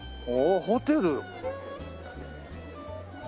おおホテル。